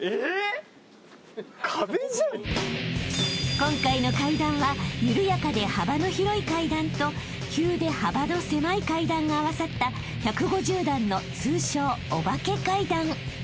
［今回の階段はゆるやかで幅の広い階段と急で幅の狭い階段が合わさった１５０段の通称お化け階段］